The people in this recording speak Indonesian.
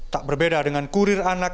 tak berbeda dengan kurir anak